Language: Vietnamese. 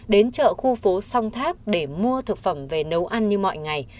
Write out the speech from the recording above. đến chợ khu phố song tháp để mua thực phẩm về nấu ăn như mọi ngày